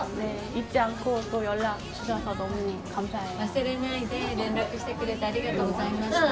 忘れないで連絡してくれてありがとうございました。